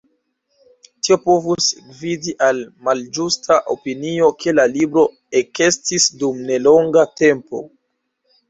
Tio povus gvidi al malĝusta opinio, ke la libro ekestis dum nelonga tempo.